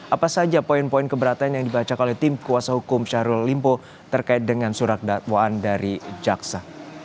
apa saja poin poin keberatan yang dibacakan oleh tim kuasa hukum syahrul limpo terkait dengan surat dakwaan dari jaksa